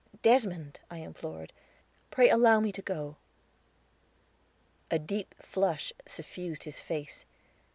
"Desmond," I implored, "pray allow me to go." A deep flush suffused his face.